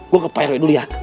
gue ke prw dulu ya